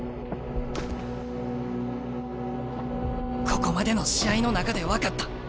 ここまでの試合の中で分かった。